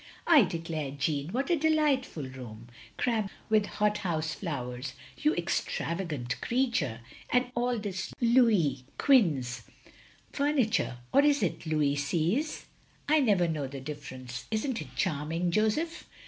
"I declare, Jeanne, what a delightful room! Crammed with hothouse flowers — ^you extra vagant creature! And all this Louis Quinze 214 THE LONELY LADY furniture, or is it Louis Seize? I never know the difference. Isn't it charming, Joseph?"